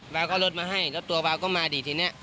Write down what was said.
วาก็ลดมาให้แล้วตัววาก็มาดีทีนี้